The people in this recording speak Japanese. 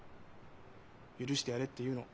「許してやれ」っていうの。